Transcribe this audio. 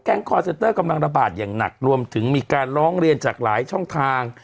คอร์เซนเตอร์กำลังระบาดอย่างหนักรวมถึงมีการร้องเรียนจากหลายช่องทาง